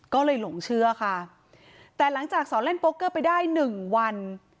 ก็เลยหลงเชื่อค่ะแต่หลังจากสอนเล่นโกเกอร์ไปได้หนึ่งวัน